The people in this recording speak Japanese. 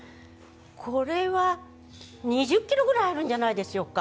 これは２０キロぐらいあるんじゃないでしょうか。